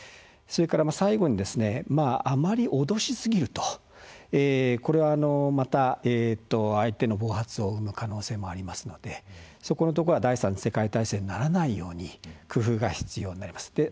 それから最後にあまり脅しすぎるとこれはまた相手の暴発を生む可能性もありますのでそこのところは第３次世界大戦にならないように工夫が必要になります。